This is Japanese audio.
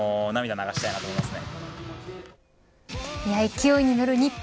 勢いに乗る日本。